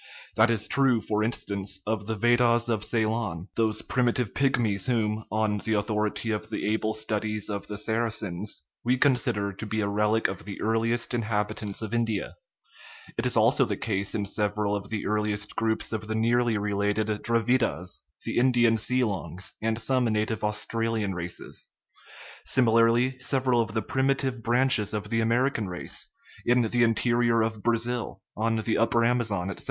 That is true, for in stance, of the Veddahs of Ceylon, those primitive pyg mies whom, on the authority of the able studies of the Sarasins, we consider to be a relic of the earliest in habitants of India ;* it is also the case in several of the earliest groups of the nearly related Dravidas, the Ind ian Seelongs, and some native Australian races. Sim ilarly, several of the primitive branches of the Ameri can race, in the interior of Brazil, on the upper Amazon, etc.